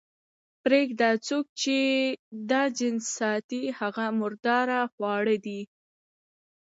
ته پرېږده، څوک چې دا نجس ساتي، هغه مرداره خواره دي.